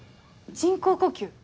人工呼吸？